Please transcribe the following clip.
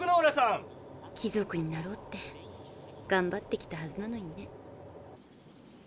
「貴族になろう」ってがんばってきたはずなのにね。